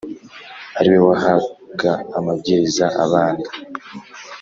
ari we wahaga amabwiriza abanda